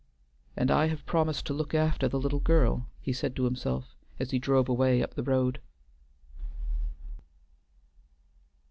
"And I have promised to look after the little girl," he said to himself as he drove away up the road.